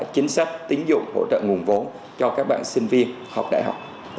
chính sách tính dụng hỗ trợ nguồn phú cho các bạn sinh viên học đại học